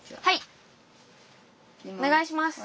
お願いします！